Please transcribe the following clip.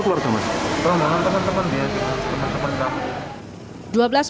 pesan teman kamu